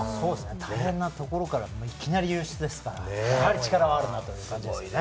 大変なところからいきなり優勝ですから、かなり力はあるなという。